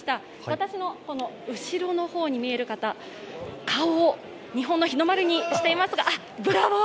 私の後ろの方に見える方、顔を日本の日の丸にしていますがブラボー！